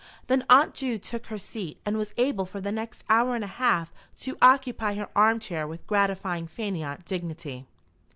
Then Aunt Ju took her seat, and was able for the next hour and a half to occupy her arm chair with gratifying fainéant dignity.